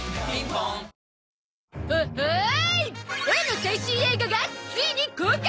オラの最新映画がついに公開！